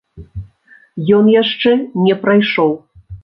Ён яшчэ не прайшоў.